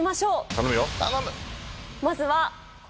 頼むよ！